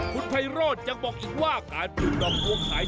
คุณไพโรดยังบอกอีกว่าการดูดอกตัวขาย